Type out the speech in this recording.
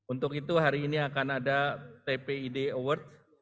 untuk itu hari ini akan ada tpid awards